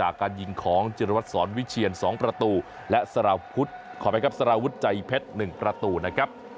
จากการยิงของจิรวัตรศรวิเชียน๒ประตูและสารวุฒิใจเพชร๑ประตูนะครับ